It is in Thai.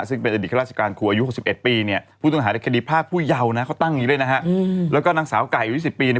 ซึ่งเป็นอดีตเครื่องราชิการครัวอายุ๖๑ปีเนี่ย